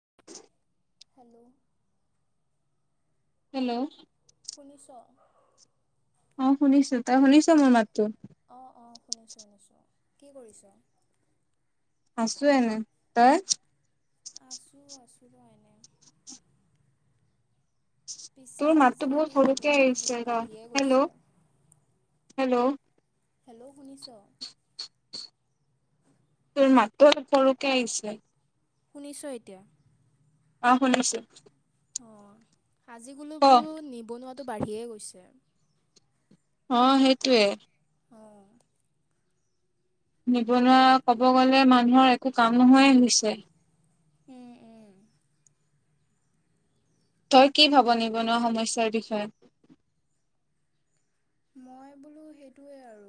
[inaudible] Hello hello. দুনিশ [unintelligible] অ', শুনিছো তই শুনিছ মোৰ মাতো। অ', অ', শুনিছোঁ শুনিছোঁ, কি কৰিছ? আছো এনে, তই? আছো আছো এনে। পিছে তোৰ মাতটো আজিকালি বহুত সৰুক নিবনুৱাটো আহিছে, বহুত বাঢ়িয়ে ৰ' হেল্ল'। গৈছে হেল্ল'। হেল্ল' শুনিছ। মাতটো সৰুকে আহিছে। শুনিছ এতিয়া। অ', শুনিছো। ক আজিকুলোবোৰো নিবনুৱাতটো বাঢ়িয়েই গৈছে। অ' সেইটোৱে। অঁ নিবনুৱা ক'ব গ'লে মানুহৰ একো কাম নোহোৱাই হৈছে। উম, উম। তই কি ভাব নিবনুৱা সমস্যাৰ বিষয়ে? মই বোলো সেইটোৱে আৰু।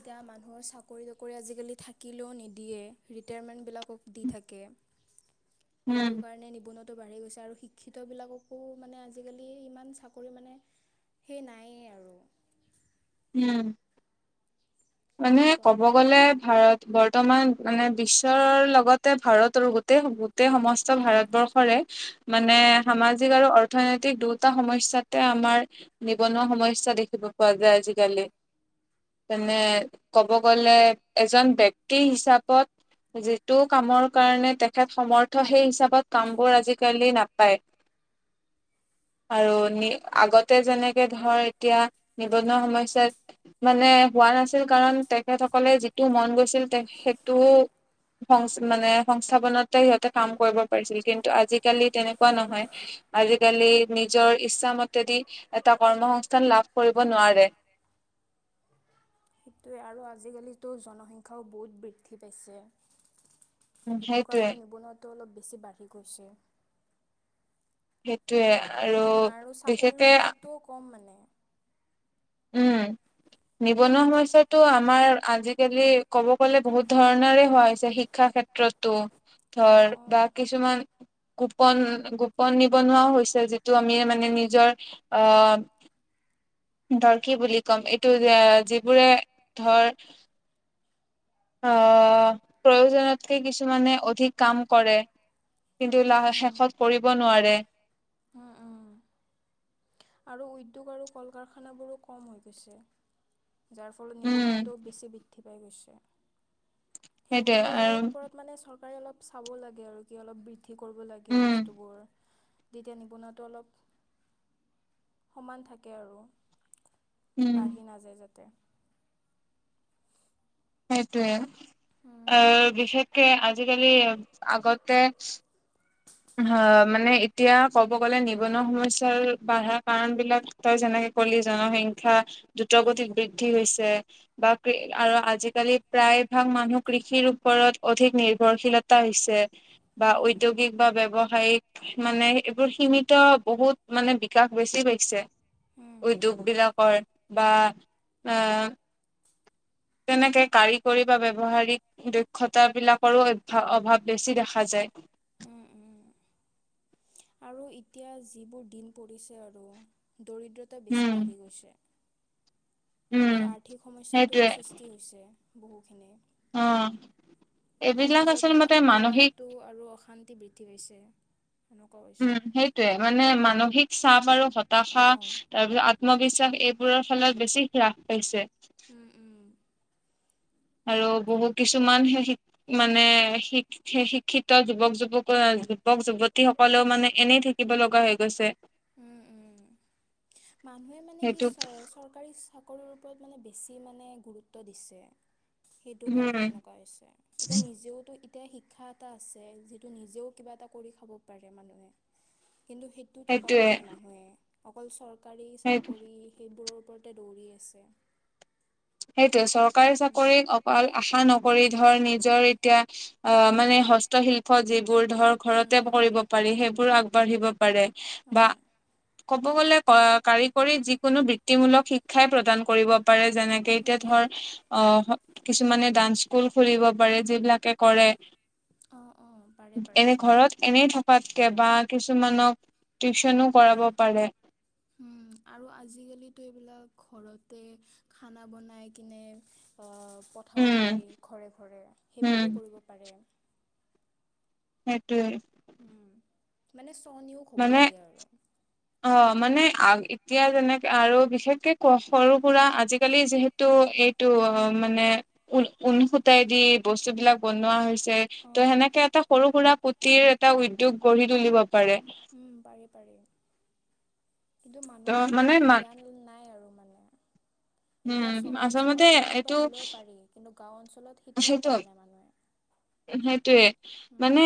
এতিয়া মানুহৰ চাকৰি তাকৰি আজিকালি থাকিলেও নিদিয়ে ৰিটায়াৰমেণ্টবিলাক দি থাকে। উম সেইটো কাৰণে নিবুনুৱাটো বাঢ়ি গৈছে। আৰু শিক্ষিতবিলাককো মানে আজিকালি ইমান চাকৰি মানে সেই নায়েই আৰু উম। মানে সেনেকুৱা ক'ব গ'লে ভাৰত বৰ্তমান মানে বিশ্বৰ লগতে ভাৰতৰ গোটেই গোটেই সমস্ত ভাৰতবৰ্ষৰে মানে সামাজিক আৰু। অৰ্থনৈতিক দুটা সমস্যাতে আমাৰ নিবনুৱা সমস্যা দেখিব পোৱা যায় আজিকালি। তেনে ক'ব গ'লে এজন বক্তি হিচাপত যিটো কামৰ কাৰণে তেখেত সমৰ্থ সেই হিচাপত কামবোৰ আজিকালি নাপায়। [inaudible] আৰু নি অঁ আগতে যেনেকে ধৰ এতিয়া া সমসয়াত মানে হোৱা নাছিল। কাৰণ তেখেতসকলে যিটো মন গৈছিল তে সেইটো, সং মানে সংস্থাপনতে সিহঁতে কাম কৰিব পাৰিছিল কিন্তু আজিকালি তেনেকুৱা নহয়। আজিকালি নিজৰ ইচ্ছা মতেদি এটা কৰ্মসস্থান লাভ কৰিব নোৱাৰে। [inaudible] সেইটোৱে আৰু আজিকালিতো জনসংখ্যাও বহুত বৃদ্ধি পাইছে। উম, সেইটো সেইটোৱে কাৰণেও নিবনুৱাটো অলপ বেছি বাঢ়ি গৈছে। সেইটোয়ে আৰু উম, চাকৰিৰ বিশেষকে সুযোগটোও কম মানে উম [inaudible] নিবনুৱা সমস্যটো আমাৰ আজিকালি ক'ব গ'লে বহুত ধৰণৰে হোৱা হৈছে শিক্ষা শিক্ষা ক্ষেত্ৰতো, অঁ ধৰ' অঁ বা কিছুমান গোপন গোপন নিবনুৱাও হৈছে যিটো আমি মানে নিজৰ অ'। হয়। ধৰ' কি বুলি কম এইটো যে যিবোৰে ধৰ' প্ৰয়োজনতকৈ কিছুমানে অধিক কাম কৰে কিন্তু লাহ উম। শেষত কৰিব নোৱাৰে উম উম, আৰু উদ্যোগ আৰু কল কাৰখানাবোৰো কম হৈ গৈছে। যাৰ ফলত উম নিবনুৱাটোও বেছি বৃদ্ধি পাই গৈছে। সেইটোয়ে সেইবোৰৰ আৰু ওপৰত মানে চৰকাৰে অলপ চাব লাগে আৰু কি অলপ বি ঠ কৰিব লাগে উম বস্তুবোৰ তেতিয়া নিবনুৱাতটো অলপ সমান থাকে আৰু উম বাঢ়ি নাযায় যাতে সেইটোৱে অ উম বিশেষকে আজিকালি আগত তে অ মানে এতিয়া ক'ব গলে নিবনুৱা সমস্যাৰ বাঢ়া কাৰণ বিলাক তই যেনেকে জসংখ্যা দ্ৰুত উম। গতিত বৃদ্ধি হৈছে। [unintelligible] আৰু আজিকালি প্ৰায়ভাগ মানুহ কৃষিৰ ওপৰত অধিক নিৰ্ভৰশীলতা হৈছে। বা উম। উদ্যোগিক ব্যৱসায় সায়িক মানে এইবোৰ সীমিত বহুত মানে বিকাশ বেছি পাইছে। উদ্যোগ উম, বিলাকৰ বা এ, তেনেকে কাৰিকৰী বা ব্যৱহাৰিক, দক্ষতাবিলাকৰো অভ-অভাৱ বেছি দেখা যায়। উম, উম আৰু এতিয়া যিবোৰ দিন পৰিছে আৰু দৰিদ্ৰতা বেছি উম বাঢ়ি গৈছে। উম আৰু আৰ্থিক সমস্যাটো সৃষ্টি হৈছে বহুখিনি। আহ সমাজত মানে অপৰাধটো আৰু অশান্তি বৃদ্ধি হৈছে। সেনেকুৱা উম, সেইটোয়ে মানে মানসিক চাপ আৰু হতাশা অ', তাৰপিছত আত্মবিশ্বাস এই বোৰৰ ফলত বেছি হ্ৰাস পাইছে। উম, উম আৰু বহু কিছুমান শ মানে শ শিক্ষিত যুৱক যুৱকো যুৱক যুৱতী সকলেও মানে এনেই থাকিব লগা হৈ গৈছে উম, উম মানুহে মানে কি সেইটো চ চৰকাৰী সকলৰে ওপৰত মানে বেছি মানে গুৰুত্ব দিছে। সেইটো কাৰণে উম এনেকুৱা হৈছে, এতিয়া নিজেওটো এতিয়া শিক্ষা এটা আছে যিটো নিজেও কিবা এটা কৰি খাব পাৰে মানুহে কিন্তু সেইটোতো কৰা সেইটোয়ে নাই মানুহে অকল চৰকাৰী সেই চাকৰি সেইবোৰৰ [unintelligible] দৌৰি আছে। সেইটোয়ে চৰকাৰী চাকৰি অকল আশা নক কৰি ধৰ নিজৰ এতিয়া অ মানে হস্তশিল্প য বোৰ ধৰ উম ঘৰতে উম কৰিব পাৰি সেইবোৰ আগবাঢ়িব পাৰে বা অঁ কব গলে কাৰিকৰীত যিকোনো বৃত্তিমূলক শিক্ষাই প্ৰদান কৰিব পাৰে যেনেকে এতিয়া উম ধৰ অ কিছুমানে ডান্স স্কুল খুলিব পাৰে যিবিলাকে কৰে অঁ অঁ পাৰে পাৰে। এনে ঘৰত এনেই থকাতকে বা কিছুমানক টিউচনো কৰাব পাৰে। উম আৰু আজিকালো এইবিলাক ঘৰতে খানা বনাই কিনে পঠাব উম পাৰি ঘৰে ঘৰে উম সেইবোৰো কৰিব পাৰে সেইটোৱে উ মানে সনিয়োগ হ'ব মানে লাগে আৰু। অ', মানে আ, এতিয়া যেনেকৈ, আৰু বিশেষকৈ সৰু-সুৰা আজিকালি যিহেতু এইটো', মানে, ঊণৰ সূতাৰে দি বস্তুবিলাক বনোৱা হৈছে। ত' অ'। যেনেকৈ এটা সৰু-সুৰা পুঁজিৰ এটা উদ্যোগ গঢ়ি তুলিব পাৰে। উম, পাৰি পাৰি। কিন্তু, ত মানুহৰ এইটো মানে মান জ্ঞান নাই আৰু মান এতিয়া উম চহৰ অঞ্চলত আচলতে অলপ কিবা এইটো হ'লেও পাৰি। কিন্তু গাও অঞ্চলত সিটোও কৰে নাই মানুহে। হেটোৱে মানে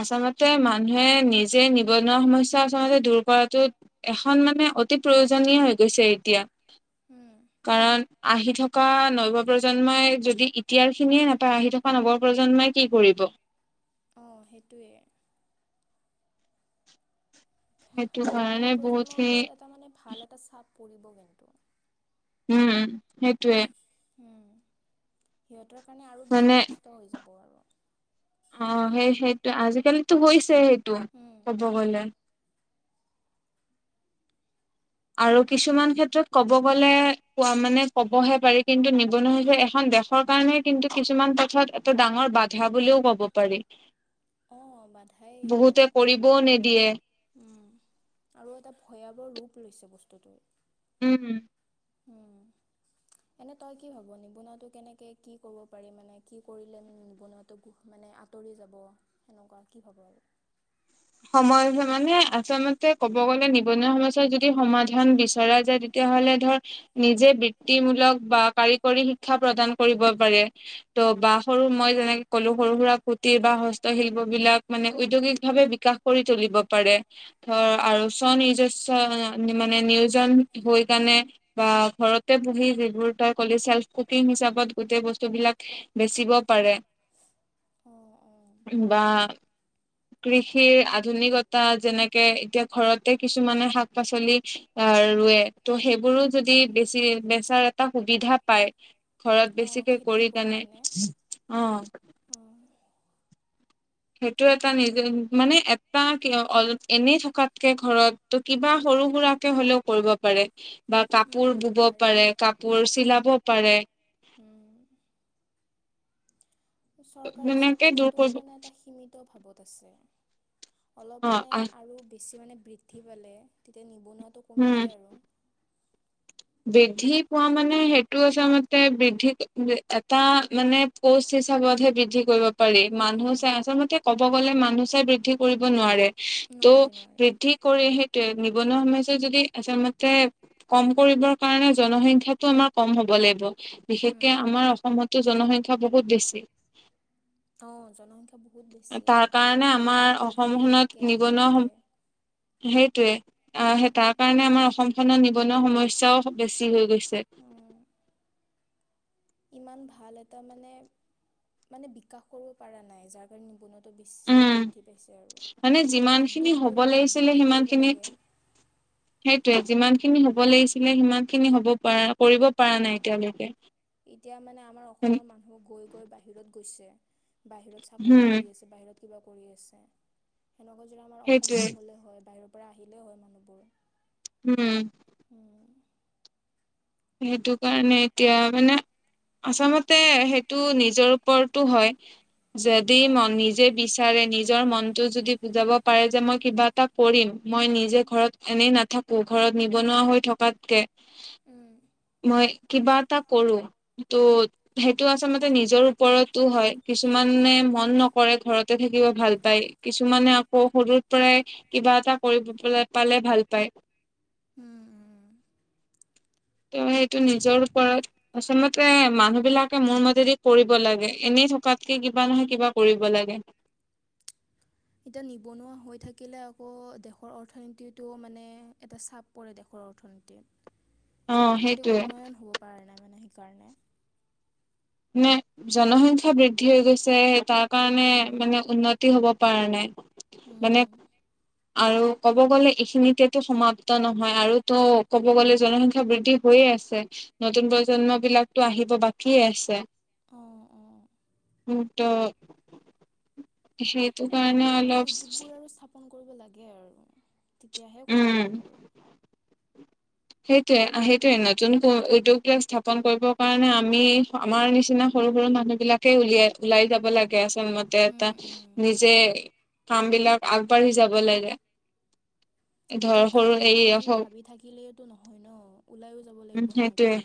আচলতে মানুহে নিজে নিবনুৱা সমস্যা আচলতে দূৰ কৰাতোত এখন মানে, অতি প্ৰয়োজনীয় হৈ গৈছে এতিয়া। উম, কাৰণ, আহি থকা নৱ-প্ৰজন্মই যদি এতিয়াৰ খিনিয়ে নাপায়। আহি থকা নৱৰ প্ৰজন্মই কি কৰিব? অঁ, সেইটোৱেই। সেইটো কাৰণে নৱ-প্ৰজন্মৰ বহুতখিনি ওপৰত এটা মানে ভাল এটা চাপ পৰিব কিন্তু। উম, সেইটোৱে। উম, সিহঁতৰ মানে আৰু বেছি কষ্ট হৈ যাব আৰু। ত' আজিকালিতো হৈছে সেইটো ক'ব গলে। আৰু কিছুমান ক্ষেত্ৰত ক'ব গ'লে কোৱা মানে কবহে পাৰি কিন্তু নিবনুৱা হৈছে এখন দেশৰ কাৰণে কিন্তু কিছুমান পথত এইটো ডাঙৰ বাধা বুলিও ক'ব পাৰি। অ' বাধাই এইটো, বহুতে কৰিবও নিদিয়ে উম। আৰু এটা ভয়াৱহ ৰূপ লৈছে বস্তুটো। উম। হম। এনে তই কি ভাব নিবনুৱটো কেনেকে কি কৰিব পাৰি মানে কি কৰিলে মানে নিবনুৱাটো মানে আত তৰি যাব সেনেকুৱা কি ভাব? সময় মানে আচলতে ক'ব গ'লে নিবনুৱা সমস্যাৰ যদি সমাধান বিচৰা যায় তেতিয়া হ'লে ধৰ নিজে বৃত্তিমূলক বা কাৰিকৰী শিক্ষা প্ৰদান কৰিব পাৰে। ত উম। বা সৰু মই যেনেক কলো সৰু সুৰা কুটিৰ বা হস্তশিল্পবিলাক মানে উদ্যোগিক ভাৱে বিকাশ কৰি তুলিব পাৰে। ধৰ উম। আৰু স্ব নিৰ্জস্ব মানে নিয়োজন হৈ কাণে বা ঘৰতে বহি যিবোৰ তই ক'লি চেল্ফ কুকিং হিচাপত গোটেই বস্তু বিলাক বেচিব পাৰে। [inaudible] অ'। বা কৃষি আধুনিকতা যেনেকে এতিয়া ঘৰতে কিছুমানে শাক-পাচলি আহ ৰুৱে ত সেইব বোৰো যদি উম, উম। বেছি বেচাৰ এটা সুবিধা পায়। ঘৰত অ', বেছিকে খেতি কৰি কেনে কিনে অ। অ'। সেইটো এটা নিজ মানে এটা অপ এনেই থকাতকে ঘৰত ত কিবা হ সৰু সুৰাকে হলেও কৰিব পাৰে। বা উম, কাপোৰ উম, বুব পাৰে কাপোৰ চিলাব পাৰে। উম। চৰকাৰী তেনেকে দূৰ চাকৰিটোও কৰিব মানে এটা সীমিত ভাৱত আছে। অলপ অ মানে আহ আৰু বেছি মানে বৃদ্ধি পালে তেতিয়া নিব নিবনুৱাটো কমি উম যায় আৰু। বৃদ্ধি পোৱা মানে সেইটো আছে মতে বৃদ্ধি এটা মানে পচ হিচাপে। হে বৃদ্ধি কৰিব পাৰি মানুহ চাই উম, আচলতে কব গলে মানুহ চাই বৃদ্ধি কৰিব নোৱাৰে। নোৱাৰি ত' নোৱাৰি। বৃদ্ধি কৰি সেইটো নিবনুৱা সমস্যা যদি আচলমতে কম কৰিব কাৰণে জনসংখ্যটো আমাৰ কম হ'ব লাগিব উম, বিশেষকে আমাৰ অসমতো। জনসংখ্যা বহুত বেছি। অঁ জনসংখ্যা বহুত বেছি তাৰ আৰু কাৰণে বাহিৰৰ পৰা আমাৰ মানুহ আহিয়ে অসমখনত থাকে আহিয়ে নিবনুৱা সম থাকে। [inaudible] সেইটোৱে আঁহ উম, সেই তাৰ কাৰণে আমাৰ অসম খনৰ নিবনুৱা সমস্যাও বেছি হৈ গৈছে। উম, [unintelligible] ইমান ভাল এটা মানে মানে বিকাশ কৰিব পৰা নাই যাৰ কাৰণে নিবনুৱা বেছি উম বৃদ্ধি পাইছে আৰু মানে অলপ যিমান খিনি হ'ব উদ্যোগবোৰ অলপ লাগিছিলে বৃদ্ধি সিমান কৰিব খিনি লাগে। সেইটোয়ে যিমান খিনি হ'ব লাগিছিলে সিমান সিনি হব পাৰা কৰিব পৰা নাই এতিয়ালৈকে। কৈ বাহিৰত গৈছে বাহিৰত চাকৰি কৰি আছে বাহিৰত কিবা কৰি আছে। সেইটোৱে [unintelligible] উম। সেইটো কাৰণে এতিয়া মানে আচলতে সেইটো নিজৰ ওপৰতো হয়। যদি ম অঁ নিজে বিচাৰে নিজ নিজৰ মনটো যদি বুজাব পাৰে যে মই কিবা এটা কৰিম মই নিজে ঘৰত এনেই নাথাকো ঘৰত নিবনুৱা হৈ থকাতকে। উম মই কিবা এটা কৰো ত' সেইটো আচলতে নিজৰ ওপৰতো হয় কিছুমানে মন নকৰে ঘৰতে থাকিব ভাল পায় কিছুমানে আকৌ সৰুৰ পৰাই কিবা এটা কৰিব পালে ভাল পায় উম উম ত সেইটো নিজৰ ওপৰত আচলতে মানুহ বিলাকে মোৰ মতেদি কৰিব লাগে এনে থকাতকে কিবা নহয় কিবা কৰিব লাগে [unintelligible] এতিয়া নিবনুৱা হৈ থাকিলে, আকৌ দেশৰ অৰ্থনীতিটো মানে, এটা চাপ পৰে দেশৰ। অ অৰ্থনৈতিক সেইটোয়ে উন্নয়ন হ'ব পৰা নাই মানে সেইকাৰণে নে জনসংখ্যা বৃদ্ধি হৈ গৈছে তাৰ কাৰণে উম। মানে উন্নতি হ'ব কাৰ নে উম, মানে আৰু ক'ব গ'লে এইখিনিতোতো সমাপ্ত নহয় আৰুতো ক'ব গ'লে জনসংখ্যা বৃদ্ধি হৈয়ে আছে নতুন প্ৰজন্ম বিলাকো আহিব বাকী আছে অ অ ক ত সেতু এই কাৰণ নতুন নতুন অলপ উদ্যোগবোৰ আৰু স্থাপন কৰিব লাগে আৰু তেতিয়াহে কমিব উম এইবোৰ সেইটোয়ে সেইটোয়ে নতুন উদ্যোগ বিলাক স্থাপন কৰিব কাৰণে আমি আমাৰ নিচিনা সৰু সৰু মানুহ বিলাকে উলিয়াই ওলাই যাব লাগে আচল মতে এটা উম, উম। নিজে কাম বিলাক আগবাঢ়ি যাব লাগে ধৰ এতিয়া সৰু ঘৰত এই বহি হওক ভাবি থাকিলেইতো নহয় ন ওলাইো যাব উম লাগিব সেইটোয়ে সেনেকে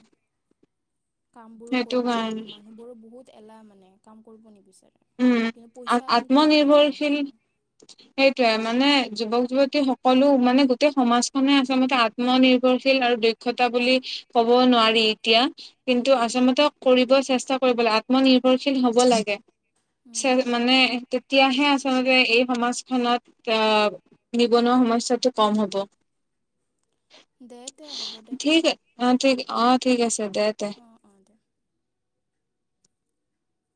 কাম বোৰো সেইটো কৰিব লাগিব কাৰণে মানুহবোৰো বহুত এলাহ মানে কাম কৰিব নিবিচ উম কিন্তু পইচা কিন্তু লাগে আকৌ আত্মনিৰ্ভৰশীল সেইটো সেইটোয়ে মানে উম, যুৱক যুৱতী ক'লো মানে গোটেই সমাজখনে আচলতে আত্মনিৰ্ভৰশীল আৰু দক্ষতা বুলি ক'ব নোৱাৰি এতিয়া কিন্তু উম, আচমতক কৰিব চেষ্টা কৰিব লাগে আত্মনিৰ্ভৰশীল হব লাগে উম, [unintelligible] তেতিয়াহে আচলতে এই সমাজখনত নিবনুৱা সমস্যাটো কম হ'ব [unintelligible] দে তে হ'ব দে ঠিকে অ, ' ঠিক অ', ঠিক আছে। স দেতে অঁ অঁ দে